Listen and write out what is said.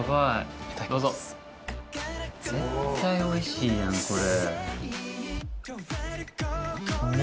絶対おいしいやん、これ。